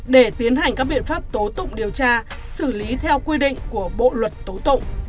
để tiến hành các biện pháp tố tụng điều tra xử lý theo quy định của bộ luật tố tụng